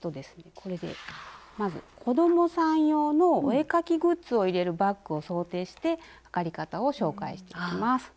これでまず子どもさん用のお絵描きグッズを入れるバッグを想定して測り方を紹介していきます。